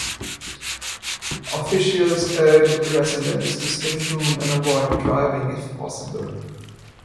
Officials urged residents to stay home and avoid driving if possible.